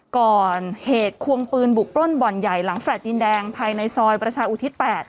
ก่อเหตุควงปืนบุกปล้นบ่อนใหญ่หลังแลตดินแดงภายในซอยประชาอุทิศ๘